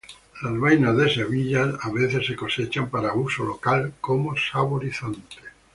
Las vainas de semillas a veces se cosechan para uso local como saborizante.